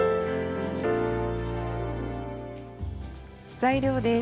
材料です。